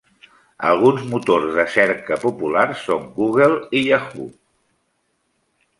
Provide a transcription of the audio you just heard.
Alguns motors de cerca populars són Google, Yahoo!